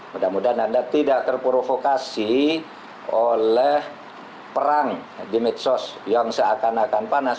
mudah mudahan anda tidak terprovokasi oleh perang di medsos yang seakan akan panas